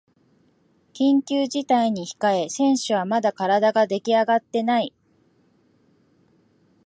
緊急事態に控え選手はまだ体ができあがってない